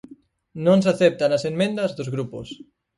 Non se aceptan as emendas dos grupos.